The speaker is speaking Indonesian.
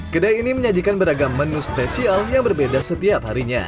kedai ini menyajikan beragam menu spesial yang berbeda setiap harinya